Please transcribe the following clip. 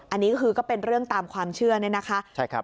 อันนี้ก็คือก็เป็นเรื่องตามความเชื่อเนี่ยนะคะ